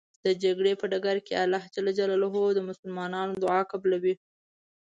د جګړې په ډګر الله ج د مسلمان دعا قبلوی .